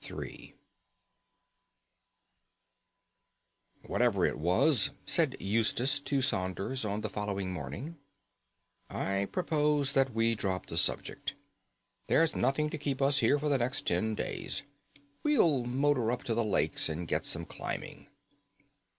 III "Whatever it was," said Eustace to Saunders on the following morning, "I propose that we drop the subject. There's nothing to keep us here for the next ten days. We'll motor up to the Lakes and get some climbing."